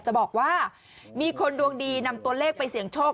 จะบอกว่ามีคนดวงดีนำตัวเลขไปเสี่ยงโชค